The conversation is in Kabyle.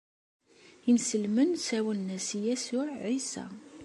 Inselmen ssawalen-as i Yasuɛ ɛissa.